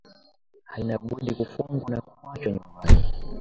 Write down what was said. Haina budi kufungwa na kuachwa nyumbani